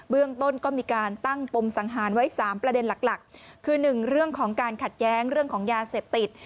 เรื่องต้นก็มีการตั้งปมสังหารไว้๓ประเด็นหลักคือ๑เรื่องของการขัดแย้งเรื่องของยาเสพติด